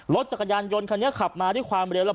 รถจักรยานยนต์คันนี้ขับมาที่ความเหล็ก